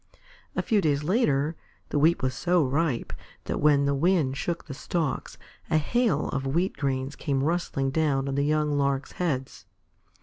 A few days later, the wheat was so ripe, that when the wind shook the stalks, a hail of wheat grains came rustling down on the young Larks' heads.